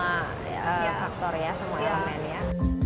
terhadap semua faktor ya semua element ya